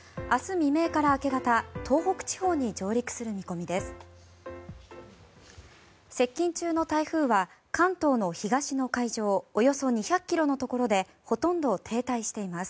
未明から明け方東北地方に上陸する見込みです。